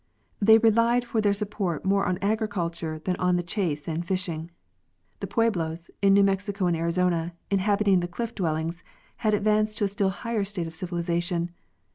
They relied for their support more on agriculture than on the chase and fishing. The Pueblos, in New Mexico and Arizona, inhabiting the cliff dwellings, had advanced to a still higher state of civilization.